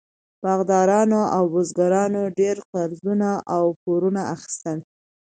باغداران او بزګرانو ډېر قرضونه او پورونه اخیستل.